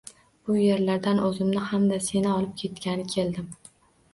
Bu yerlardan oʻzimni hamda, Seni olib ketgani keldim...